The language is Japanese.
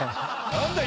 何だよ！